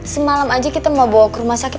semalam aja kita mau bawa ke rumah sakit